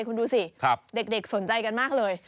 คุณดูสิเด็กสนใจกันมากเลย